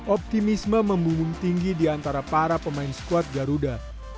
optimisme membumbung tinggi di antara para pemain squad garuda